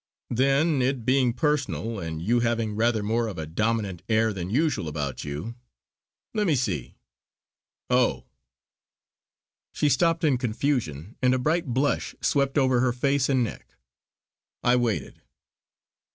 Then, it being personal, and you having rather more of a dominant air than usual about you Let me see Oh!" she stopped in confusion, and a bright blush swept over her face and neck. I waited.